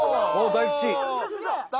大吉！